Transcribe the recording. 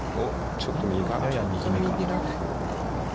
ちょっと右かな。